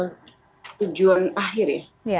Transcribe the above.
tujuan akhir ya